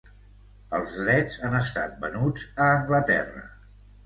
Els drets han estat venuts a Anglaterra.